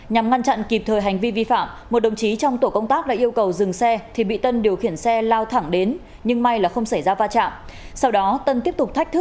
nhằm ngăn chặn kịp thời hành vi vi phạm một đồng chí trong tổ công tác đã yêu cầu dừng xe